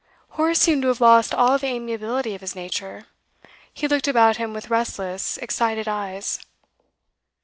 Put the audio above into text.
Horace seemed to have lost all the amiability of his nature; he looked about him with restless, excited eyes.